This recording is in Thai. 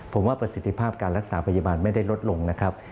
ผมว่าประสิทธิภาพการรักษาพยาบาลไม่ได้ลดลงนะครับ